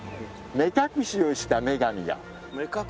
目隠しをした女神。